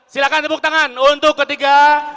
silahkan tepuk tangan untuk ketiga